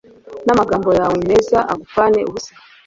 n’amagambo yawe meza agupfane ubusa